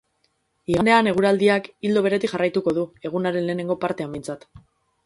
Igandean eguraldiak ildo beretik jarraituko du, egunaren lehenengo partean behintzat.